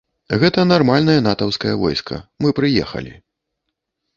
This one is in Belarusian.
Гэта нармальнае натаўскае войска, мы прыехалі!